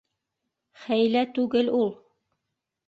- Хәйлә түгел ул.